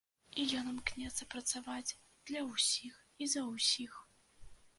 І ён імкнецца працаваць для ўсіх і за ўсіх.